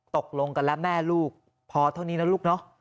ตกลงกันแล้วแม่ลูกพอเท่านี้นะลูกเนอะ